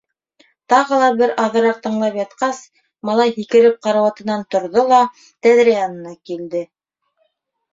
Тағы ла бер аҙыраҡ тыңлап ятҡас, малай һикереп карауатынан торҙо ла тәҙрә янына килде.